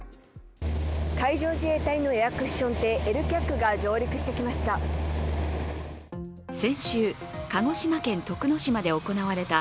海上自衛隊のエアクッション艇ＬＣＡＣが上陸してきました。